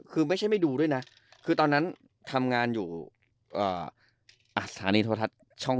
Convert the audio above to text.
คือไม่ใช่ไม่ดูด้วยนะคือตอนนั้นทำงานอยู่สถานีโทรทัศน์ช่อง๓